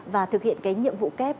và thực hiện cái nhiệm vụ kép